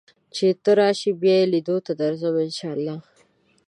چې ته راشې بیا دې لیدو ته درځم ان شاء الله